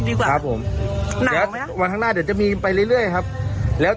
ดีกว่าครับผมวันข้างหน้าเดี๋ยวจะมีไปเรื่อยครับแล้ว